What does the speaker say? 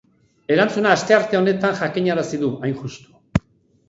Erantzuna astearte honetan jakinarazi du, hain justu.